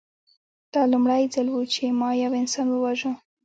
دا لومړی ځل و چې ما یو انسان وواژه